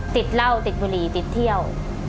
ติดเหล้าติดบุหรี่ติดเที่ยว